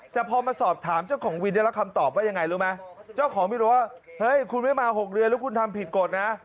แต่พอมาสอบถามเจ้าของวินได้รับคำตอบว่ายังไงรู้ไหมเจ้าของวินบอกว่าเฮ้ยคุณไม่มา๖เดือนแล้วคุณทำผิดกฎนะ